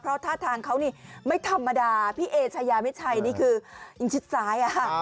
เพราะท่าทางเขานี่ไม่ธรรมดาพี่เอชัยาไม่ใช่นี่คือยิ่งชิดซ้ายอ่ะค่ะ